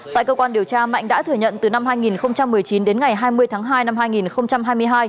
tại cơ quan điều tra mạnh đã thừa nhận từ năm hai nghìn một mươi chín đến ngày hai mươi tháng hai năm hai nghìn hai mươi hai